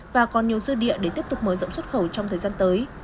và còn nhiều dư địa để tiếp tục mở rộng xuất khẩu trong thời gian tới